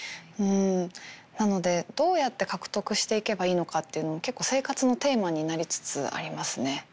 なのでどうやって獲得していけばいいのかっていうのも結構生活のテーマになりつつありますね。